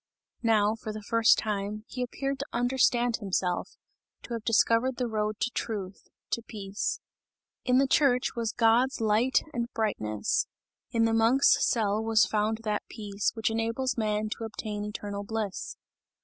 Now, for the first time, he appeared to understand himself, to have discovered the road to truth, to peace. In the church was God's light and brightness, in the monk's cell was found that peace, which enables man to obtain eternal bliss.